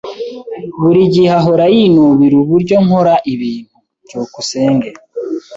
Buri gihe ahora yinubira uburyo nkora ibintu. byukusenge